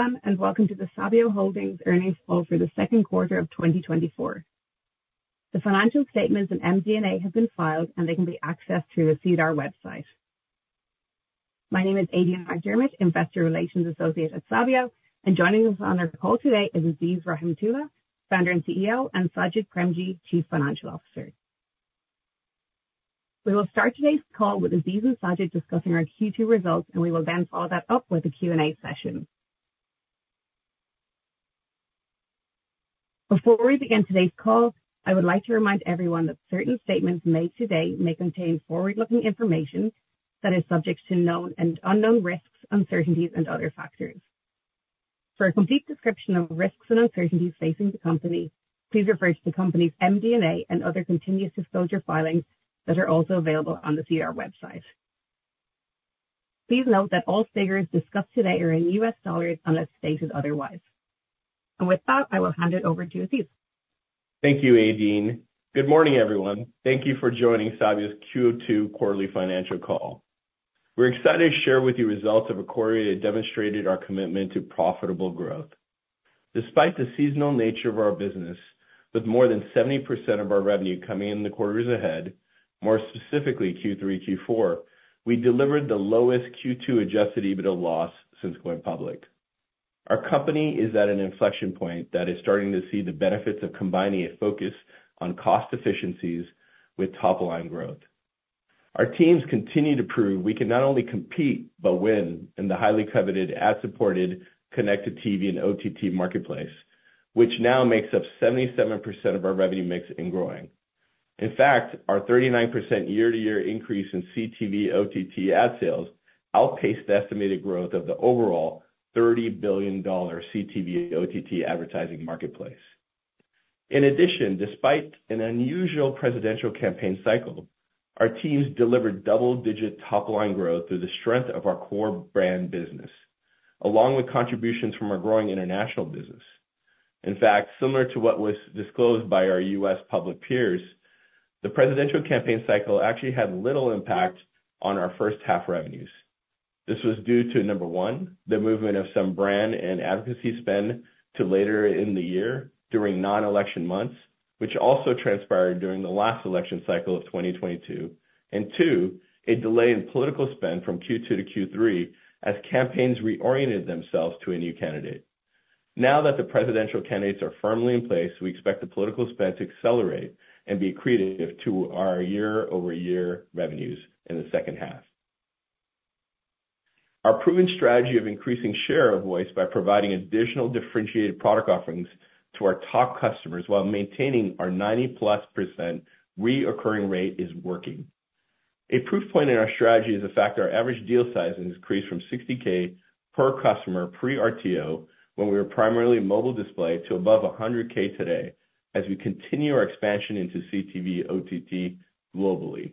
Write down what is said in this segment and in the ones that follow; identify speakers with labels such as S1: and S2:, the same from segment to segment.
S1: Hello, and welcome to the Sabio Holdings Earnings Call for the second quarter of 2024. The financial statements and MD&A have been filed, and they can be accessed through the SEDAR website. My name is Aideen McDermott, Investor Relations Associate at Sabio, and joining us on our call today is Aziz Rahimtoola, Founder and CEO, and Sajid Premji, Chief Financial Officer. We will start today's call with Aziz and Sajid discussing our Q2 results, and we will then follow that up with a Q&A session. Before we begin today's call, I would like to remind everyone that certain statements made today may contain forward-looking information that is subject to known and unknown risks, uncertainties, and other factors. For a complete description of risks and uncertainties facing the company, please refer to the company's MD&A and other continuous disclosure filings that are also available on the SEDAR website. Please note that all figures discussed today are in U.S. dollars unless stated otherwise. And with that, I will hand it over to Aziz.
S2: Thank you, Aideen. Good morning, everyone. Thank you for joining Sabio's Q2 quarterly financial call. We're excited to share with you results of a quarter that demonstrated our commitment to profitable growth. Despite the seasonal nature of our business, with more than 70% of our revenue coming in the quarters ahead, more specifically Q3, Q4, we delivered the lowest Q2 adjusted EBITDA loss since going public. Our company is at an inflection point that is starting to see the benefits of combining a focus on cost efficiencies with top-line growth. Our teams continue to prove we can not only compete but win in the highly coveted ad-supported connected TV and OTT marketplace, which now makes up 77% of our revenue mix and growing. In fact, our 39% year-to-year increase in CTV/OTT ad sales outpaced the estimated growth of the overall $30 billion CTV/OTT advertising marketplace. In addition, despite an unusual presidential campaign cycle, our teams delivered double-digit top-line growth through the strength of our core brand business, along with contributions from our growing international business. In fact, similar to what was disclosed by our U.S. public peers, the presidential campaign cycle actually had little impact on our first half revenues. This was due to, number one, the movement of some brand and advocacy spend to later in the year during non-election months, which also transpired during the last election cycle of 2022, and two, a delay in political spend from Q2 to Q3 as campaigns reoriented themselves to a new candidate. Now that the presidential candidates are firmly in place, we expect the political spend to accelerate and be accretive to our year-over-year revenues in the second half. Our proven strategy of increasing share of voice by providing additional differentiated product offerings to our top customers while maintaining our 90%+ recurring rate is working. A proof point in our strategy is the fact our average deal sizing has increased from 60k per customer pre-RTO, when we were primarily mobile display, to above a 100k today, as we continue our expansion into CTV/OTT globally.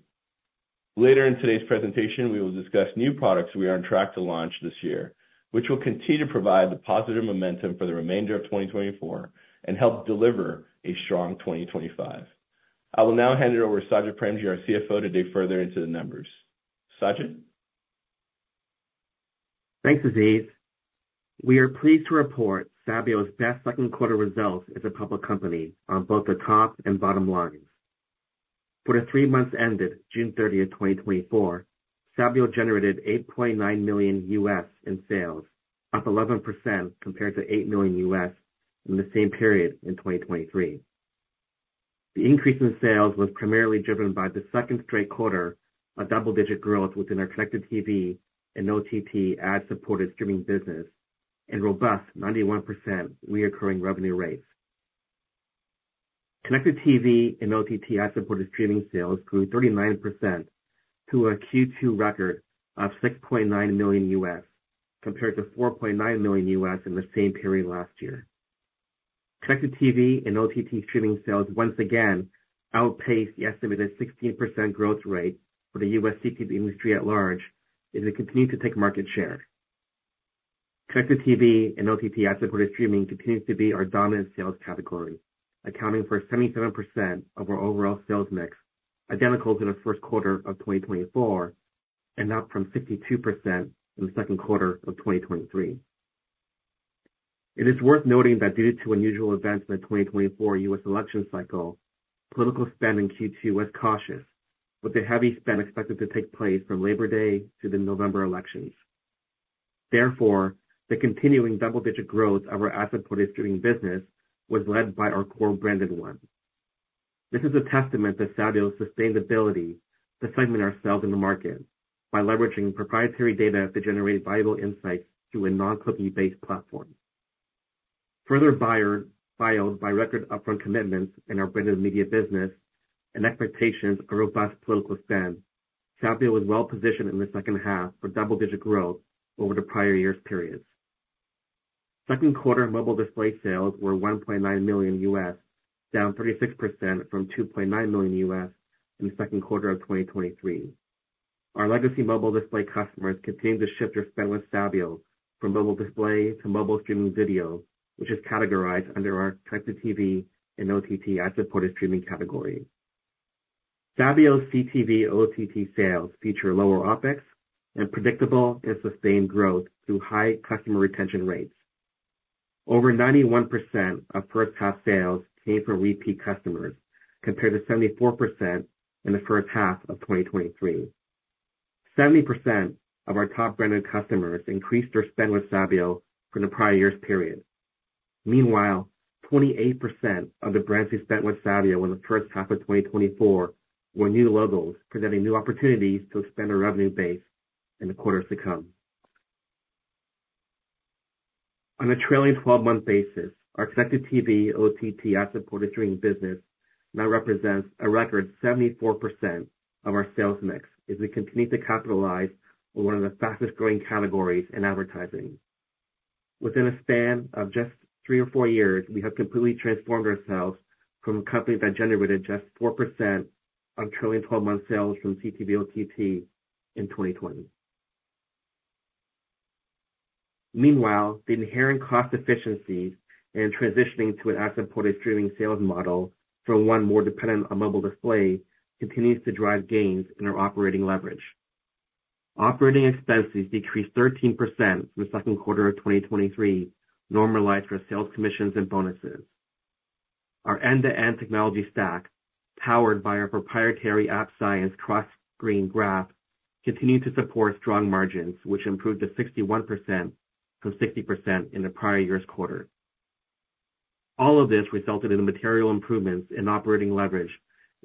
S2: Later in today's presentation, we will discuss new products we are on track to launch this year, which will continue to provide the positive momentum for the remainder of 2024 and help deliver a strong 2025. I will now hand it over to Sajid Premji, our CFO, to dig further into the numbers. Sajid?
S3: Thanks, Aziz. We are pleased to report Sabio's best second quarter results as a public company on both the top and bottom lines. For the three months ended June 30th, 2024, Sabio generated $8.9 million in sales, up 11% compared to $8 million in the same period in 2023. The increase in sales was primarily driven by the second straight quarter of double-digit growth within our connected TV and OTT ad-supported streaming business and robust 91% recurring revenue rates. Connected TV and OTT ad-supported streaming sales grew 39% to a Q2 record of $6.9 million, compared to $4.9 million in the same period last year. Connected TV and OTT streaming sales once again outpaced the estimated 16% growth rate for the U.S. CTV industry at large as we continue to take market share. Connected TV and OTT ad-supported streaming continues to be our dominant sales category, accounting for 77% of our overall sales mix, identical to the first quarter of 2024 and up from 62% in the second quarter of 2023. It is worth noting that due to unusual events in the 2024 U.S. election cycle, political spend in Q2 was cautious, with the heavy spend expected to take place from Labor Day to the November elections. Therefore, the continuing double-digit growth of our ad-supported streaming business was led by our core branded one. This is a testament to Sabio's sustainability to segment ourselves in the market by leveraging proprietary data to generate viable insights through a non-cookie based platform. Further, buyer-fueled by record upfront commitments in our branded media business and expectations of robust political spend, Sabio is well positioned in the second half for double-digit growth over the prior years' periods. Second quarter mobile display sales were $1.9 million, down 36% from $2.9 million in the second quarter of 2023. Our legacy mobile display customers continue to shift their spend with Sabio from mobile display to mobile streaming video, which is categorized under our connected TV and OTT ad-supported streaming category. Sabio's CTV OTT sales feature lower OpEx and predictable and sustained growth through high customer retention rates. Over 91% of first half sales came from repeat customers, compared to 74% in the first half of 2023. 70% of our top branded customers increased their spend with Sabio from the prior year's period. Meanwhile, 28% of the brands who spent with Sabio in the first half of 2024 were new logos, presenting new opportunities to expand our revenue base in the quarters to come. On a trailing 12-month basis, our connected TV OTT ad-supported streaming business now represents a record 74% of our sales mix, as we continue to capitalize on one of the fastest growing categories in advertising. Within a span of just three or four years, we have completely transformed ourselves from a company that generated just 4% on trailing 12-month sales from CTV OTT in 2020. Meanwhile, the inherent cost efficiencies in transitioning to an ad-supported streaming sales model from one more dependent on mobile display continues to drive gains in our operating leverage. Operating expenses decreased 13% from the second quarter of 2023, normalized for sales commissions and bonuses. Our end-to-end technology stack, powered by our proprietary App Science cross-screen graph, continued to support strong margins, which improved to 61% from 60% in the prior year's quarter. All of this resulted in material improvements in operating leverage,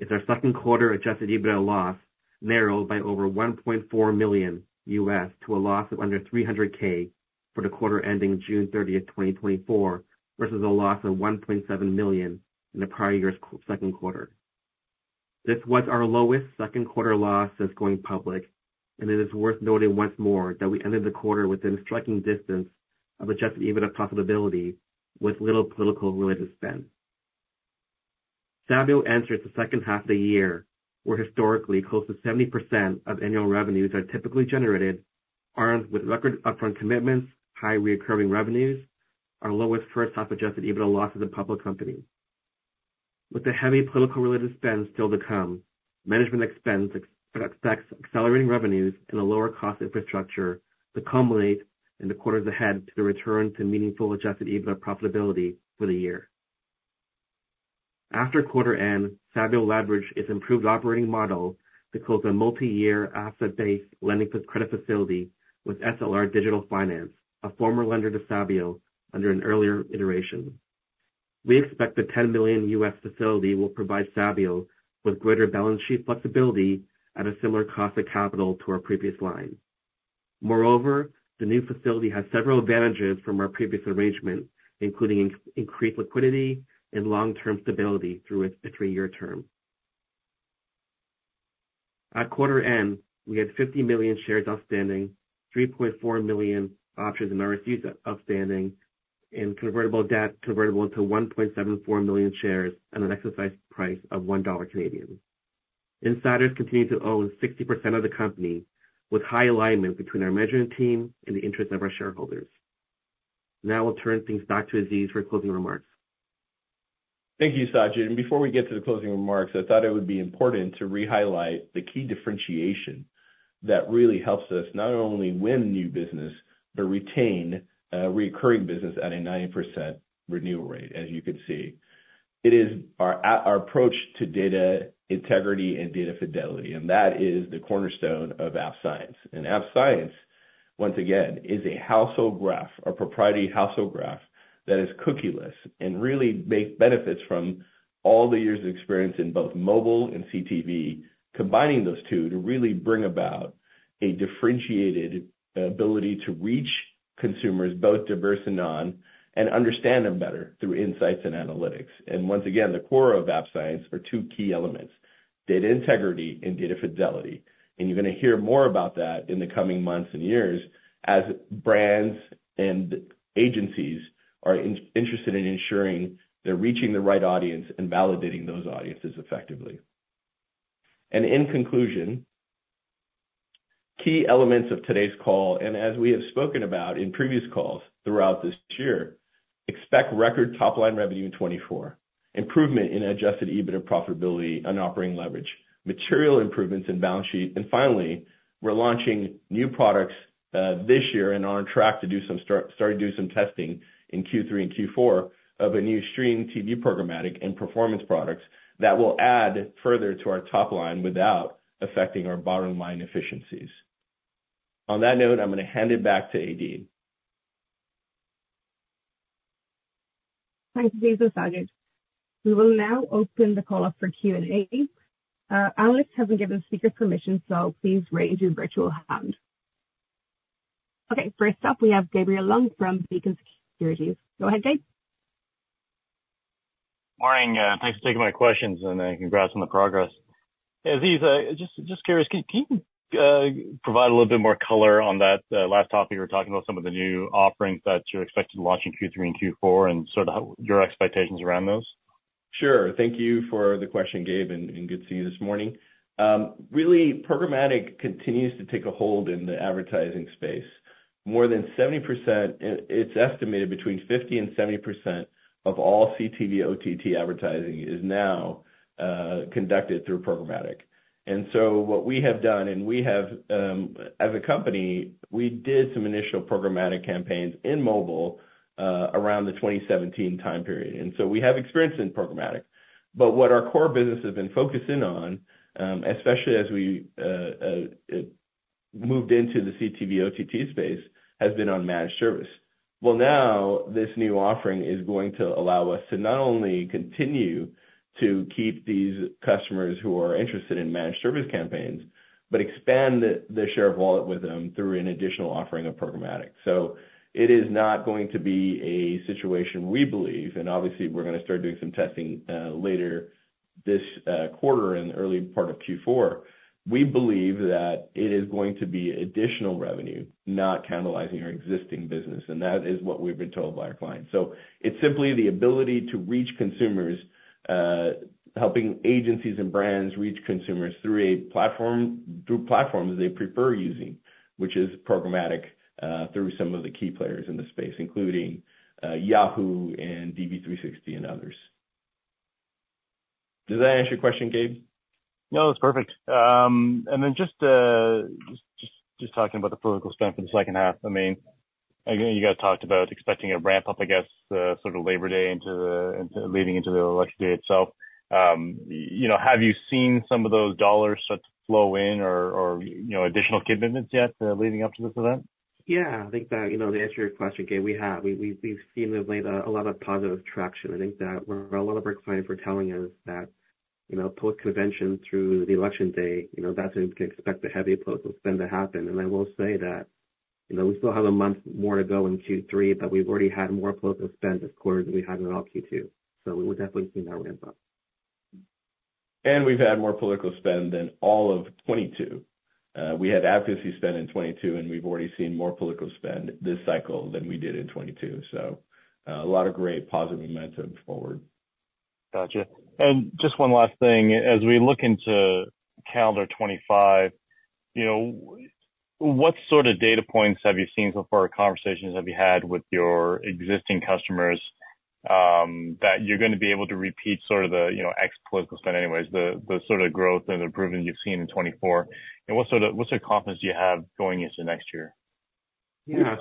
S3: as our second quarter adjusted EBITDA loss narrowed by over $1.4 million to a loss of under $300,000 for the quarter ending June 30th, 2024, versus a loss of $1.7 million in the prior year's second quarter. This was our lowest second quarter loss since going public, and it is worth noting once more that we ended the quarter within striking distance of adjusted EBITDA profitability with little political-related spend. Sabio enters the second half of the year, where historically, close to 70% of annual revenues are typically generated, armed with record upfront commitments, high recurring revenues, our lowest first half adjusted EBITDA loss as a public company. With the heavy political-related spend still to come, management expects accelerating revenues and a lower cost infrastructure to culminate in the quarters ahead to return to meaningful adjusted EBITDA profitability for the year. After quarter end, Sabio leveraged its improved operating model to close a multi-year asset-based lending credit facility with SLR Digital Finance, a former lender to Sabio under an earlier iteration. We expect the $10 million facility will provide Sabio with greater balance sheet flexibility at a similar cost of capital to our previous line. Moreover, the new facility has several advantages from our previous arrangement, including increased liquidity and long-term stability through its three-year term. At quarter end, we had 50 million shares outstanding, 3.4 million options and RSUs outstanding, and convertible debt convertible into 1.74 million shares at an exercise price of 1 Canadian dollar. Insiders continue to own 60% of the company, with high alignment between our management team and the interest of our shareholders. Now I'll turn things back to Aziz for closing remarks.
S2: Thank you, Sajid. Before we get to the closing remarks, I thought it would be important to re-highlight the key differentiation that really helps us not only win new business, but retain recurring business at a 90% renewal rate, as you can see. It is our approach to data integrity and data fidelity, and that is the cornerstone of App Science. App Science, once again, is a household graph, a proprietary household graph, that is cookieless and really make benefits from all the years of experience in both mobile and CTV, combining those two to really bring about a differentiated ability to reach consumers, both diverse and non, and understand them better through insights and analytics. Once again, the core of App Science are two key elements: data integrity and data fidelity. And you're gonna hear more about that in the coming months and years as brands and agencies are interested in ensuring they're reaching the right audience and validating those audiences effectively. And in conclusion, key elements of today's call, and as we have spoken about in previous calls throughout this year, expect record top-line revenue in 2024, improvement in adjusted EBITDA profitability and operating leverage, material improvements in balance sheet. And finally, we're launching new products this year, and on track to do some start to do some testing in Q3 and Q4 of a new streaming TV programmatic and performance products that will add further to our top line without affecting our bottom line efficiencies. On that note, I'm gonna hand it back to Aideen.
S1: Thank you, Aziz and Sajid. We will now open the call up for Q&A. Analysts have been given speaker permission, so please raise your virtual hand. Okay, first up, we have Gabriel Leung from Beacon Securities. Go ahead, Gabe.
S4: Morning, thanks for taking my questions, and congrats on the progress. Aziz, just curious, can you provide a little bit more color on that last topic? You were talking about some of the new offerings that you're expecting to launch in Q3 and Q4, and sort of how... Your expectations around those?
S2: Sure. Thank you for the question, Gabe, and good to see you this morning. Really, programmatic continues to take a hold in the advertising space. More than 70%, it's estimated between 50% and 70% of all CTV OTT advertising is now conducted through programmatic. And so what we have done, and we have, as a company, we did some initial programmatic campaigns in mobile, around the 2017 time period, and so we have experience in programmatic. But what our core business has been focusing on, especially as we moved into the CTV OTT space, has been on managed service. Now, this new offering is going to allow us to not only continue to keep these customers who are interested in managed service campaigns, but expand the share of wallet with them through an additional offering of programmatic. It is not going to be a situation, we believe, and obviously, we're gonna start doing some testing later this quarter, in the early part of Q4. We believe that it is going to be additional revenue, not cannibalizing our existing business, and that is what we've been told by our clients. It's simply the ability to reach consumers, helping agencies and brands reach consumers through platforms they prefer using, which is programmatic, through some of the key players in the space, including Yahoo and DV360 and others. Does that answer your question, Gabe?
S4: No, it's perfect, and then just talking about the political spend for the second half. I mean, you guys talked about expecting a ramp up, I guess, the sort of Labor Day leading into Election Day itself. You know, have you seen some of those dollars start to flow in or you know, additional commitments yet leading up to this event?
S3: Yeah, I think that, you know, to answer your question, Gabe, we have. We've seen of late a lot of positive traction. I think that a lot of our clients are telling us that, you know, post-convention through the election day, you know, that's when we can expect the heavy political spend to happen. And I will say that, you know, we still have a month more to go in Q3, but we've already had more political spend this quarter than we had in all Q2. So we've definitely seen that ramp up.
S2: And we've had more political spend than all of 2022. We had advocacy spend in 2022, and we've already seen more political spend this cycle than we did in 2022. So, a lot of great positive momentum forward.
S4: Gotcha. And just one last thing, as we look into calendar 2025, you know, what sort of data points have you seen so far, or conversations have you had with your existing customers, that you're gonna be able to repeat sort of the, you know, ex political spend anyways, the sort of growth and improvement you've seen in 2024? And what sort of confidence do you have going into next year?
S3: Yeah.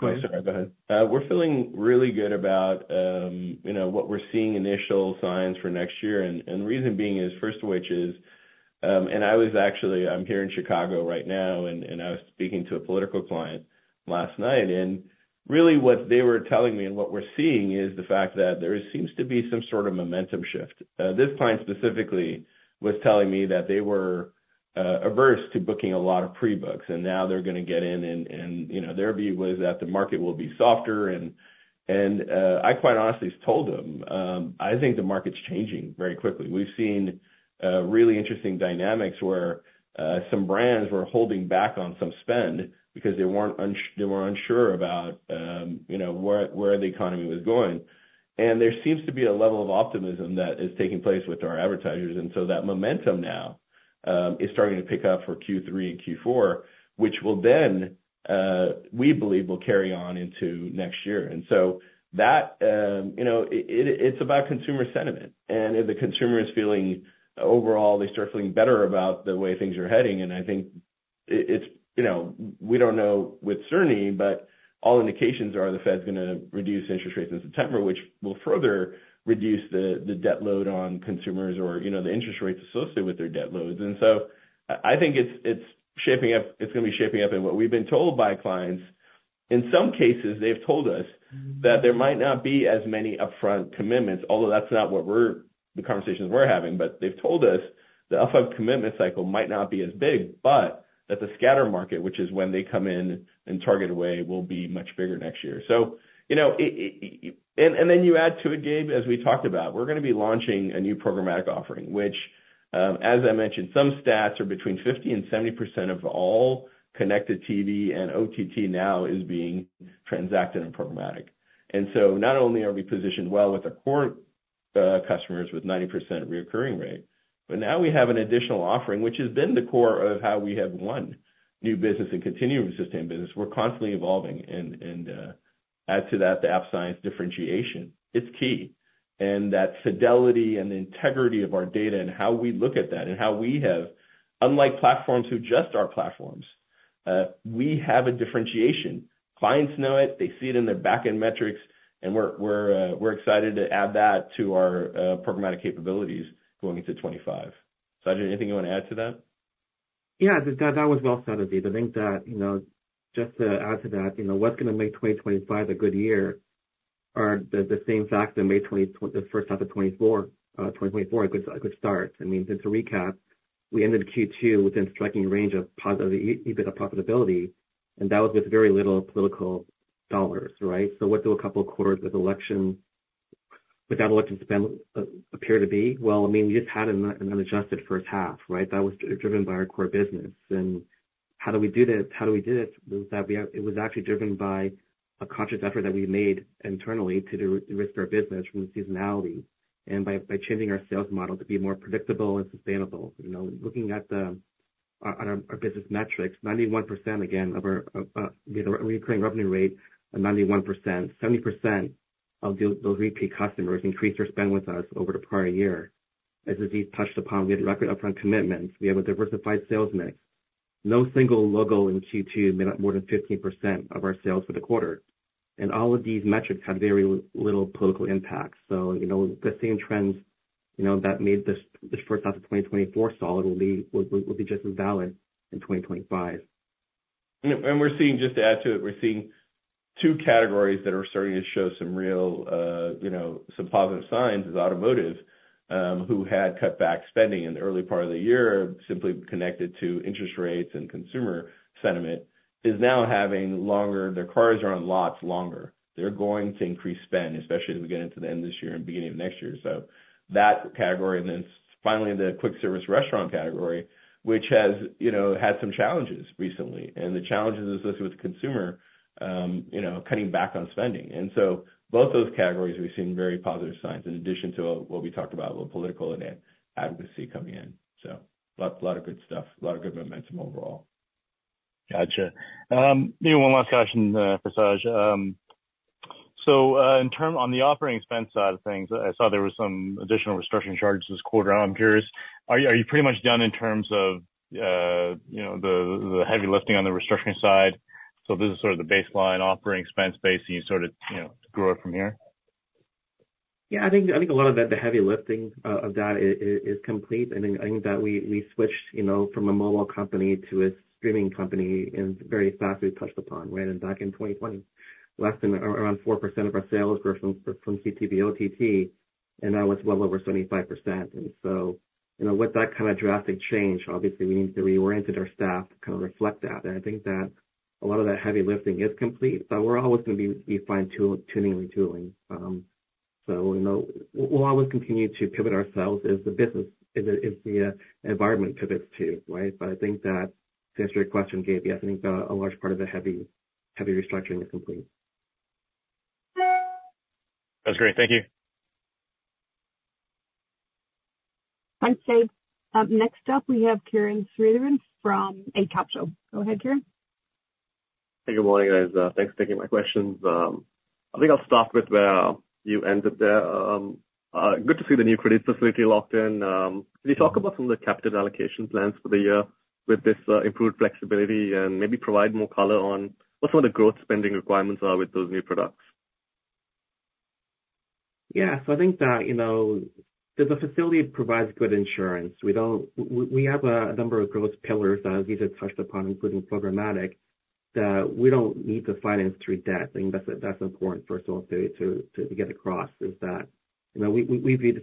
S4: Sorry, go ahead.
S2: We're feeling really good about, you know, what we're seeing initial signs for next year. And the reason being is, first of which is, and I was actually... I'm here in Chicago right now, and I was speaking to a political client last night, and really what they were telling me, and what we're seeing is the fact that there seems to be some sort of momentum shift. This client specifically was telling me that they were averse to booking a lot of pre-books, and now they're gonna get in and, you know, their view was that the market will be softer and, I quite honestly told them, "I think the market's changing very quickly." We've seen really interesting dynamics where some brands were holding back on some spend because they were unsure about, you know, where the economy was going. And there seems to be a level of optimism that is taking place with our advertisers, and so that momentum now is starting to pick up for Q3 and Q4, which will then, we believe, will carry on into next year. And so that, you know, it's about consumer sentiment, and if the consumer is feeling, overall, they start feeling better about the way things are heading, and I think it's, you know, we don't know with certainty, but all indications are the Fed's gonna reduce interest rates in September, which will further reduce the debt load on consumers or, you know, the interest rates associated with their debt loads. And so I think it's shaping up. It's gonna be shaping up in what we've been told by clients. In some cases, they've told us that there might not be as many upfront commitments, although that's not the conversations we're having. But they've told us the upfront commitment cycle might not be as big, but that the scatter market, which is when they come in and target away, will be much bigger next year. So, you know, it. And then you add to it, Gabe, as we talked about, we're gonna be launching a new programmatic offering, which, as I mentioned, some stats are between 50% and 70% of all connected TV and OTT now is being transacted and programmatic. And so not only are we positioned well with our core customers, with 90% recurring rate, but now we have an additional offering, which has been the core of how we have won new business and continue to sustain business. We're constantly evolving and add to that the App Science differentiation. It's key. That fidelity and integrity of our data and how we look at that and how we have, unlike platforms who just are platforms, we have a differentiation. Clients know it, they see it in their backend metrics, and we're excited to add that to our programmatic capabilities going into 2025. Sajid, anything you want to add to that?
S3: Yeah, that was well said, Aziz. I think that, you know, just to add to that, you know, what's gonna make 2025 a good year are the same facts that made the first half of 2024 a good start. I mean, just to recap, we ended Q2 within striking range of positive EBITDA profitability, and that was with very little political dollars, right? So what do a couple of quarters without election spend appear to be? Well, I mean, we just had an adjusted first half, right? That was driven by our core business. And how do we do this? It was actually driven by-... A conscious effort that we made internally to de-risk our business from seasonality and by changing our sales model to be more predictable and sustainable. You know, looking at our business metrics, 91%, again, of our recurring revenue rate, 91%. 70% of those repeat customers increased their spend with us over the prior year. As Aziz touched upon, we had record upfront commitments. We have a diversified sales mix. No single logo in Q2 made up more than 15% of our sales for the quarter, and all of these metrics have very little political impact. So, you know, the same trends, you know, that made this first half of 2024 solid will be just as valid in 2025.
S2: We're seeing, just to add to it, two categories that are starting to show some real, you know, some positive signs: automotive, who had cut back spending in the early part of the year, simply connected to interest rates and consumer sentiment, is now having longer. Their cars are on lots longer. They're going to increase spend, especially as we get into the end of this year and beginning of next year. So that category, and then finally, the quick service restaurant category, which has, you know, had some challenges recently. And the challenges associated with consumer, you know, cutting back on spending. And so both those categories, we've seen very positive signs in addition to what we talked about with political and advocacy coming in. So lots, a lot of good stuff, a lot of good momentum overall.
S4: Gotcha. Maybe one last question for Saj. So, on the operating expense side of things, I saw there was some additional restructuring charges this quarter. I'm curious, are you pretty much done in terms of, you know, the heavy lifting on the restructuring side? So this is sort of the baseline operating expense base, and you sort of, you know, grow it from here?
S3: Yeah, I think a lot of the heavy lifting of that is complete. I think that we switched, you know, from a mobile company to a streaming company, and very fast we touched upon, right? And back in 2020, less than around 4% of our sales were from CTV, OTT, and now it's well over 75%. And so, you know, with that kind of drastic change, obviously we need to reorient our staff to kind of reflect that. And I think that a lot of that heavy lifting is complete, but we're always going to be fine-tuning and retooling. So, you know, we'll always continue to pivot ourselves as the business, as the environment pivots, too, right? But I think that to answer your question, Gabe, yes, I think a large part of the heavy, heavy restructuring is complete.
S4: That's great. Thank you.
S1: Thanks, Gabe. Next up, we have Kiran Sritharan from Eight Capital. Go ahead, Kiran.
S5: Hey, good morning, guys. Thanks for taking my questions. I think I'll start with where you ended there. Good to see the new credit facility locked in. Can you talk about some of the capital allocation plans for the year with this improved flexibility and maybe provide more color on what sort of growth spending requirements are with those new products?
S3: Yeah. So I think that, you know, the facility provides good insurance. We have a number of growth pillars that Aziz has touched upon, including programmatic, that we don't need to finance through debt. I think that's important, first of all, to get across, is that, you know, we view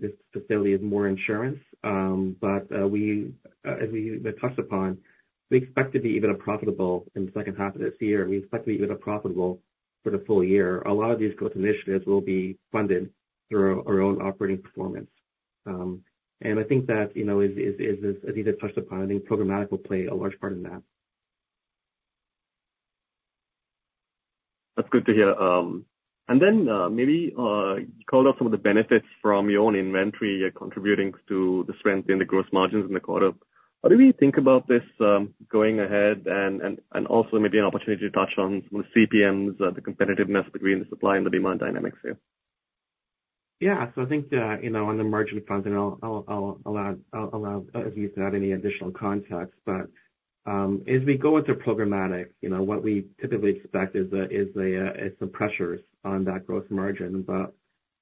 S3: this facility as more insurance, but as we touched upon, we expect to be EBITDA profitable in the second half of this year, and we expect to be EBITDA profitable for the full year. A lot of these growth initiatives will be funded through our own operating performance, and I think that, you know, is, as Aziz touched upon, I think programmatic will play a large part in that.
S5: That's good to hear. And then, maybe, you called out some of the benefits from your own inventory contributing to the strength in the gross margins in the quarter. How do we think about this, going ahead? And also maybe an opportunity to touch on some of the CPMs, the competitiveness between the supply and the demand dynamics here.
S3: Yeah. So I think that, you know, on the margin front, and I'll allow Aziz to add any additional context, but as we go into programmatic, you know, what we typically expect is some pressures on that gross margin. But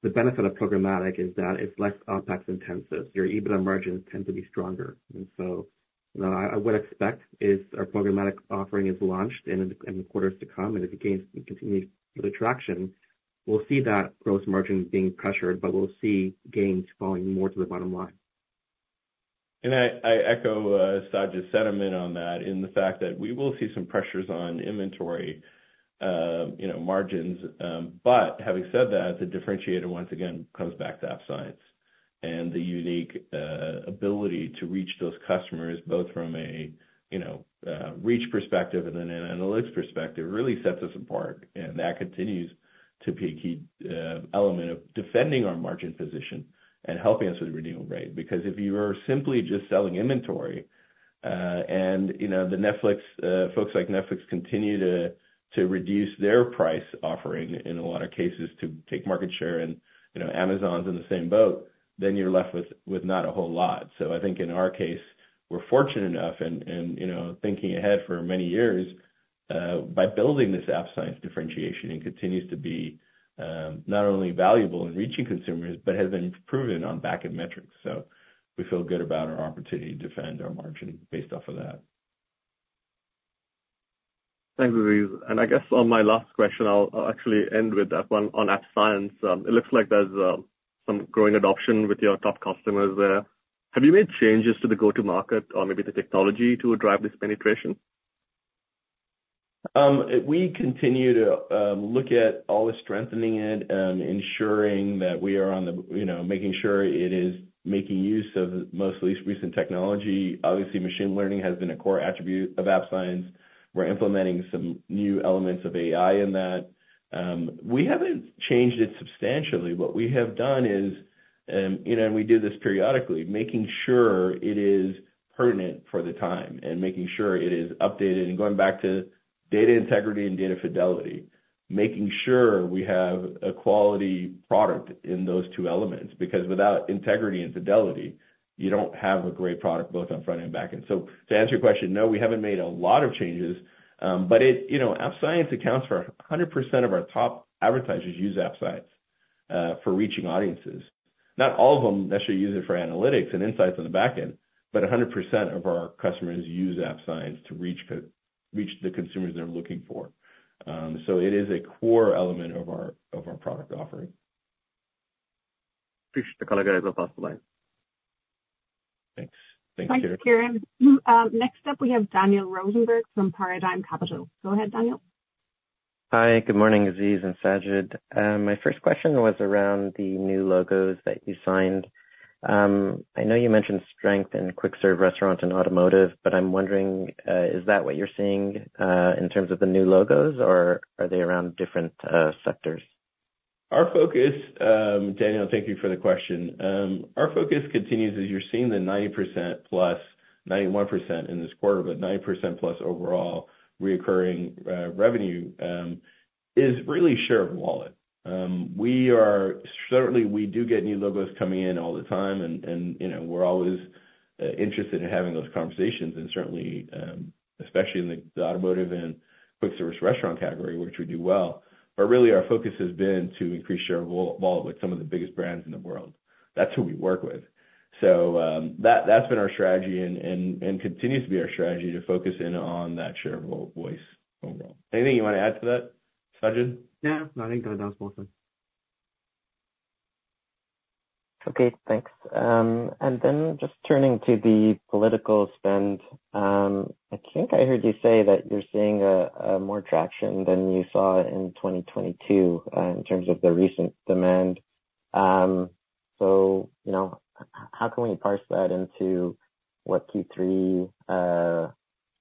S3: the benefit of programmatic is that it's less OpEx intensive. Our EBITDA margins tend to be stronger. And so, you know, I would expect as our programmatic offering is launched in the quarters to come, and it gains continued traction. We'll see that gross margin being pressured, but we'll see gains falling more to the bottom line.
S2: And I echo Sajid's sentiment on that, in the fact that we will see some pressures on inventory, you know, margins. But having said that, the differentiator, once again, comes back to App Science and the unique ability to reach those customers, both from a you know reach perspective and then an analytics perspective, really sets us apart. And that continues to be a key element of defending our margin position and helping us with renewal rate. Because if you are simply just selling inventory, and you know the Netflix folks like Netflix continue to reduce their price offering in a lot of cases to take market share, and you know Amazon's in the same boat, then you're left with not a whole lot. So I think in our case, we're fortunate enough, you know, thinking ahead for many years, by building this App Science differentiation, it continues to be not only valuable in reaching consumers but has been proven on back-end metrics. So we feel good about our opportunity to defend our margin based off of that.
S5: Thanks, Aziz. And I guess on my last question, I'll actually end with that one on App Science. It looks like there's some growing adoption with your top customers there. Have you made changes to the go-to-market or maybe the technology to drive this penetration?
S2: We continue to look at always strengthening it and ensuring that we are. You know, making sure it is making use of the most recent technology. Obviously, machine learning has been a core attribute of App Science. We're implementing some new elements of AI in that. We haven't changed it substantially. What we have done is. You know, we do this periodically, making sure it is pertinent for the time and making sure it is updated. Going back to data integrity and data fidelity, making sure we have a quality product in those two elements, because without integrity and fidelity, you don't have a great product, both on front-end and back-end. So to answer your question, no, we haven't made a lot of changes. But it, you know, App Science accounts for 100% of our top advertisers use App Science for reaching audiences. Not all of them necessarily use it for analytics and insights on the back end, but 100% of our customers use App Science to reach the consumers they're looking for. So it is a core element of our product offering.
S5: Thanks, the call will pass the line.
S2: Thanks.
S3: Thanks, Kiran.
S1: Thanks, Kiran. Next up we have Daniel Rosenberg from Paradigm Capital. Go ahead, Daniel.
S6: Hi, good morning, Aziz and Sajid. My first question was around the new logos that you signed. I know you mentioned strength in quick serve restaurants and automotive, but I'm wondering, is that what you're seeing in terms of the new logos, or are they around different sectors?
S2: Our focus, Daniel, thank you for the question. Our focus continues, as you're seeing the 90%+, 91% in this quarter, but 9%+ overall recurring revenue, is really share of wallet. Certainly, we do get new logos coming in all the time, and you know, we're always interested in having those conversations and certainly especially in the automotive and quick service restaurant category, which we do well. But really our focus has been to increase share of wallet with some of the biggest brands in the world. That's who we work with. So, that's been our strategy and continues to be our strategy to focus in on that share of wallet voice overall. Anything you want to add to that, Sajid?
S3: No, I think that was well said.
S6: Okay, thanks, and then just turning to the political spend, I think I heard you say that you're seeing more traction than you saw in 2022 in terms of the recent demand, so you know, how can we parse that into what Q3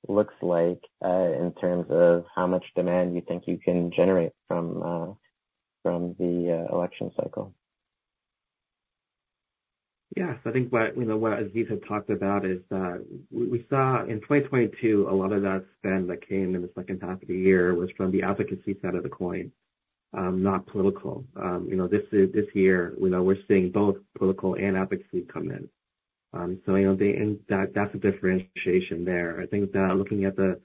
S6: looks like in terms of how much demand you think you can generate from the election cycle?
S3: Yes, I think what, you know, what Aziz had talked about is that we saw in 2022, a lot of that spend that came in the second half of the year was from the advocacy side of the coin, not political. You know, this, this year, you know, we're seeing both political and advocacy come in. So, you know, that's a differentiation there. I think that looking at the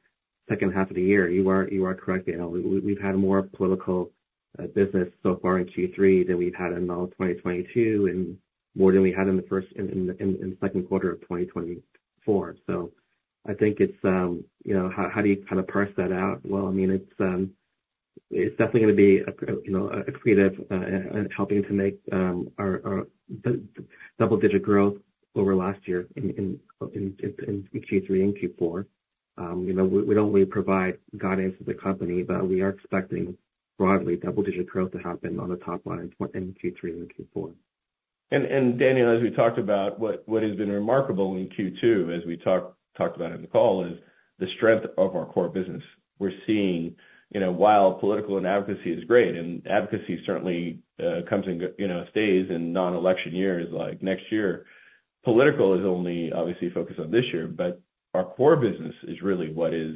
S3: second half of the year, you are correct, Daniel. We've had more political business so far in Q3 than we've had in all of 2022 and more than we had in the first, second quarter of 2024. So I think it's, you know, how do you kind of parse that out? Well, I mean, it's definitely gonna be a, you know, a creative and helping to make our double digit growth over last year in Q3 and Q4. You know, we don't really provide guidance to the company, but we are expecting broadly double digit growth to happen on the top line in Q3 and Q4.
S2: Daniel, as we talked about, what has been remarkable in Q2, as we talked about it in the call, is the strength of our core business. We're seeing, you know, while political and advocacy is great, and advocacy certainly comes in, you know, stays in non-election years, like next year. Political is only obviously focused on this year, but our core business is really what is,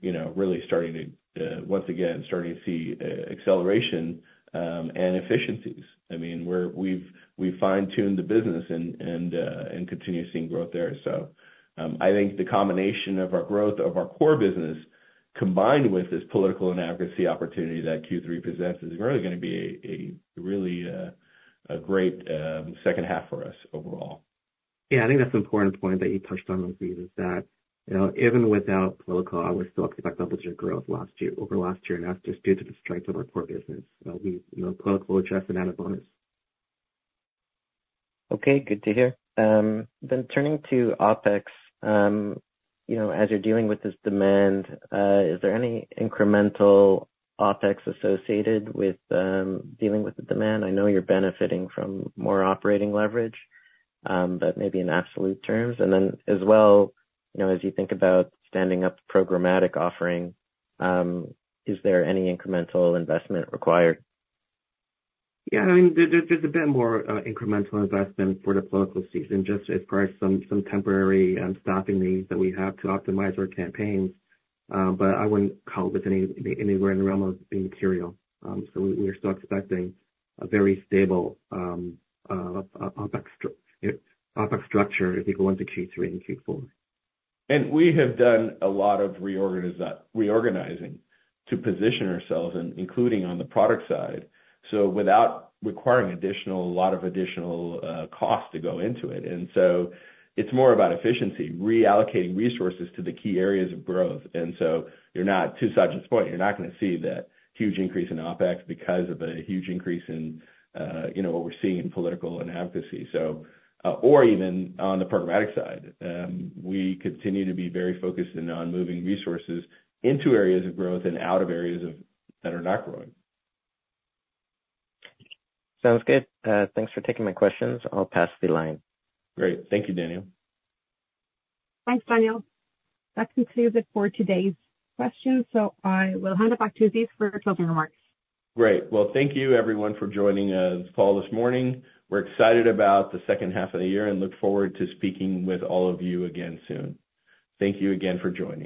S2: you know, really starting to once again see acceleration and efficiencies. I mean, we've fine-tuned the business and continue seeing growth there. So, I think the combination of our growth of our core business, combined with this political and advocacy opportunity that Q3 possesses, is really gonna be a really great second half for us overall.
S3: Yeah, I think that's an important point that you touched on with me, is that, you know, even without political, I was still expect double digit growth last year, over last year, and that's just due to the strength of our core business. We, you know, political just an added bonus.
S6: Okay, good to hear. Then turning to OpEx, you know, as you're dealing with this demand, is there any incremental OpEx associated with dealing with the demand? I know you're benefiting from more operating leverage, but maybe in absolute terms. And then as well, you know, as you think about standing up programmatic offering, is there any incremental investment required?
S3: Yeah, I mean, there, there's a bit more incremental investment for the political season, just as perhaps some temporary staffing needs that we have to optimize our campaigns, but I wouldn't call this anywhere in the realm of immaterial, so we are still expecting a very stable OpEx structure as we go into Q3 and Q4.
S2: We have done a lot of reorganizing to position ourselves, including on the product side, so without requiring a lot of additional cost to go into it. It's more about efficiency, reallocating resources to the key areas of growth. You're not, to Sajid's point, gonna see that huge increase in OpEx because of a huge increase in what we're seeing in political and advocacy. Or even on the programmatic side, we continue to be very focused on moving resources into areas of growth and out of areas that are not growing.
S6: Sounds good. Thanks for taking my questions. I'll pass the line.
S2: Great. Thank you, Daniel.
S1: Thanks, Daniel. That concludes it for today's questions, so I will hand it back to Aziz for closing remarks.
S2: Great. Well, thank you everyone for joining us, Paul, this morning. We're excited about the second half of the year and look forward to speaking with all of you again soon. Thank you again for joining.